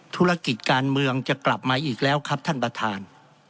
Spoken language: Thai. ธุรกิจการเมืองจะกลับมาอีกแล้วครับท่านประธาน